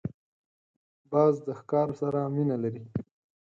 باز د ښکار سره مینه لري